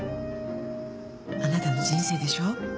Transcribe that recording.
あなたの人生でしょ？